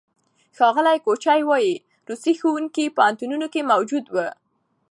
ښاغلي کوچي وايي، روسي ښوونکي پوهنتونونو کې موجود وو.